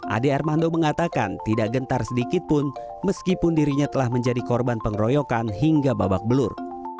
ade armando mengatakan tidak gentar sedikitpun meskipun dirinya telah menjadi korban pengeroyokan hingga babak belur